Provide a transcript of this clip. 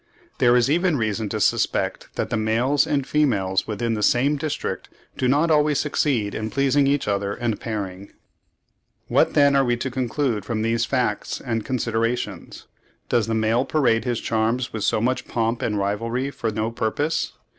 There is even reason to suspect that the males and females within the same district do not always succeed in pleasing each other and pairing. What then are we to conclude from these facts and considerations? Does the male parade his charms with so much pomp and rivalry for no purpose?